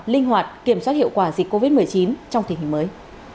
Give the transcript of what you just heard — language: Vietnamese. linh hoạt kiểm soát hiệu quả dịch covid một mươi chín trong tình hình mới